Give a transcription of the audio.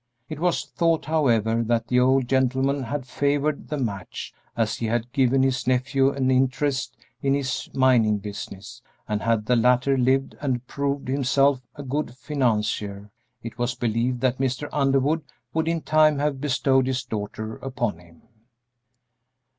It was thought, however, that the old gentleman had favored the match, as he had given his nephew an interest in his mining business, and had the latter lived and proved himself a good financier, it was believed that Mr. Underwood would in time have bestowed his daughter upon him.